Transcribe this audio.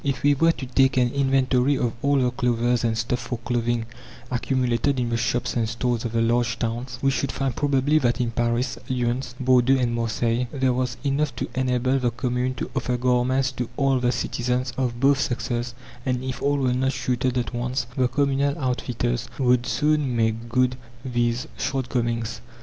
If we were to take an inventory of all the clothes and stuff for clothing accumulated in the shops and stores of the large towns, we should find probably that in Paris, Lyons, Bordeaux, and Marseilles, there was enough to enable the commune to offer garments to all the citizens, of both sexes; and if all were not suited at once, the communal outfitters would soon make good these shortcomings.